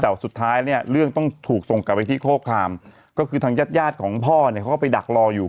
แต่สุดท้ายเนี่ยเรื่องต้องถูกส่งกลับไปที่โครครามก็คือทางญาติญาติของพ่อเนี่ยเขาก็ไปดักรออยู่